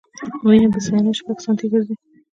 وینه په ثانیه شپږ سانتي ګرځي.